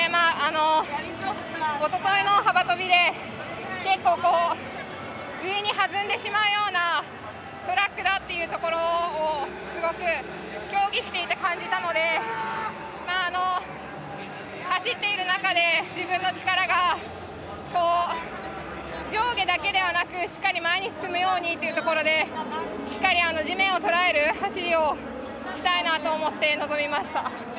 おとといの幅跳びで結構、上に弾んでしまうようなトラックだというところをすごく競技していて感じたので走っている中で自分の力が上下だけではなくしっかり前に進むようにというところでしっかり地面をとらえる走りをしたいなと思って臨みました。